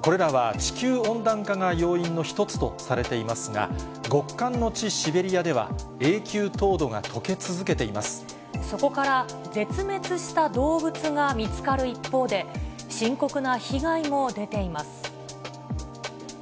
これらは地球温暖化が要因の１つとされていますが、極寒の地、シベリアでは、そこから絶滅した動物が見つかる一方で、深刻な被害も出ています。